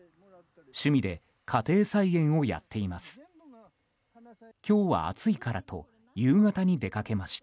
趣味で家庭菜園をやっています。